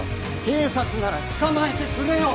警察なら捕まえてくれよ！